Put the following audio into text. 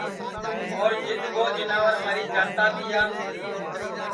تو جِدؔ ٻو جیناور مری جاتا تیا اور اُس کے دھٹؔی کہوتے تیے